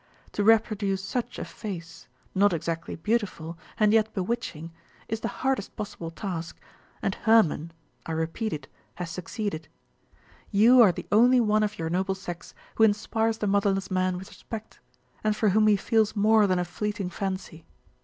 To reproduce such a face, not exactly beautiful, and yet bewitching, is the hardest possible task, and Hermon, I repeat it, has succeeded. You are the only one of your noble sex who inspires the motherless man with respect, and for whom he feels more than a fleeting fancy.